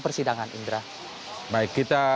persidangan indra baik kita